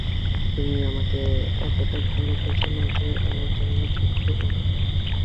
তুমি আমাকে এতটা ভালোবাসো না যে আমার জন্য যুদ্ধ কর।